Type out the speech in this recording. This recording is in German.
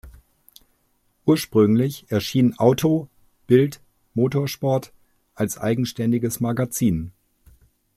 Ursprünglich erschien Auto Bild Motorsport als eigenständiges Magazin.